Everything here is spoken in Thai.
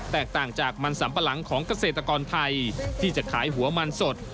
ต่างจากมันสัมปะหลังของเกษตรกรไทยที่จะขายหัวมันสด